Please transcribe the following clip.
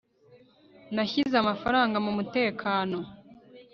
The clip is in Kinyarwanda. nashyize amafaranga mumutekano